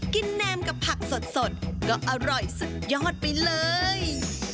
แนมกับผักสดก็อร่อยสุดยอดไปเลย